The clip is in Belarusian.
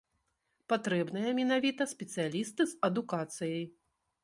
Патрэбныя менавіта спецыялісты з адукацыяй.